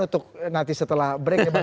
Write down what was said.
untuk nanti setelah break